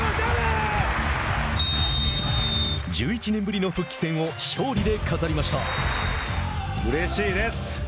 １１年ぶりの復帰戦を勝利で飾りました。